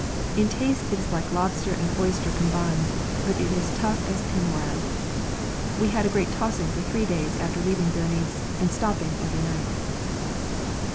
In taste it is like lobster and oyster combined, but as tough as pin wire. We had a great tossing for three days after leaving Berenice, and stopping every night.